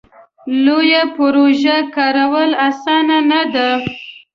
لویه پروژه کارول اسانه نه ده.